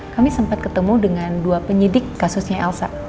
kami sempat ketemu dengan dua penyidik kasusnya elsa